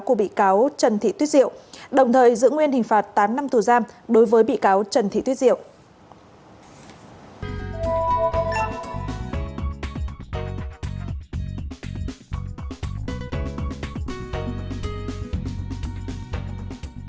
của bị cáo trần thị tuyết diệu đồng thời giữ nguyên hình phạt tám năm tù giam đối với bị cáo trần thị tuyết diệu